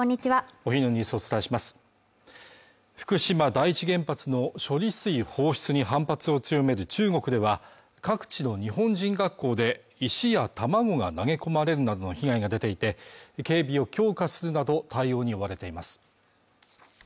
お昼のニュースをお伝えします福島第一原発の処理水放出に反発を強める中国では各地の日本人学校で石や卵が投げ込まれるなどの被害が出ていて警備を強化するなど対応に追われています